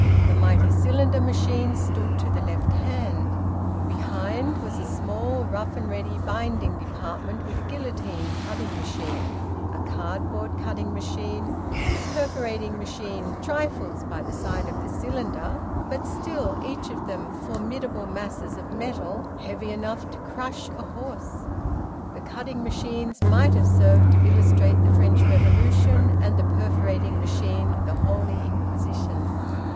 The mighty cylinder machine stood to the left hand. Behind was a small rough and ready binding department with a guillotine cutting machine, a cardboard cutting machine, and a perforating machine, trifles by the side of the cylinder, but still each of them formidable masses of metal heavy enough to crush a horse; the cutting machines might have served to illustrate the French Revolution, and the perforating machine the Holy Inquisition.